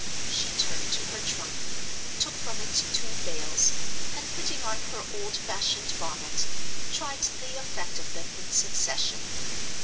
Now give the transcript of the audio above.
She turned to her trunk; took from it two veils; and putting on her old fashioned bonnet, tried the effect of them in succession.